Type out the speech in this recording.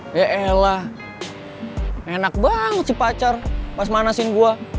ya elah enak banget sih pacar pas manasin gua